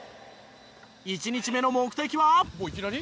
１日目の目的は。